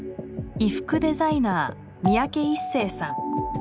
衣服デザイナー三宅一生さん。